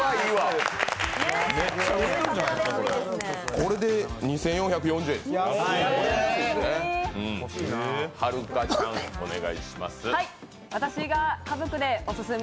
これで２４４０円、安いですね。